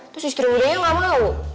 terus istri mudanya mau